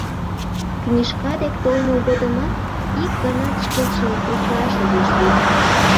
Книжка дек толмо годымат ик ганат шкетшым учыраш огеш лий.